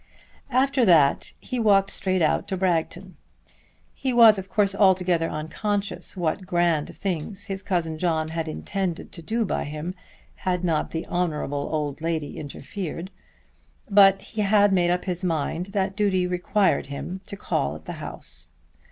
After that he walked straight out to Bragton. He was of course altogether unconscious what grand things his cousin John had intended to do by him, had not the Honourable old lady interfered; but he had made up his mind that duty required him to call at the house.